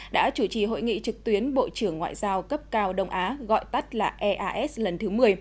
đã chủ trì hội nghị trực tuyến bộ trưởng ngoại giao cấp cao đông á gọi tắt là eas lần thứ một mươi